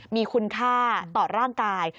มีคุณค่าต่อร่างกาย